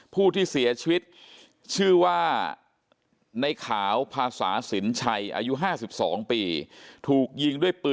ผู้ที่เสียชีวิตชื่อว่าในข่าวภาษาสินชัยอายุ๕๒ปี